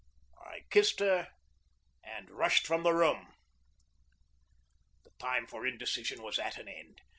I kissed her and rushed from the room. The time for indecision was at an end.